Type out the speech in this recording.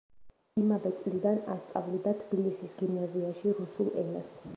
იმავე წლიდან ასწავლიდა თბილისის გიმნაზიაში რუსულ ენას.